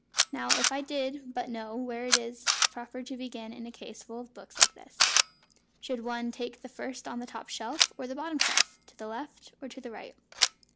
Now, if I did but know where it is proper to begin in a case full of books like this! Should one take the first on the top shelf, or the bottom shelf, to the left, or to the right?"